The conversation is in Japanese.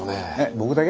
僕だけ？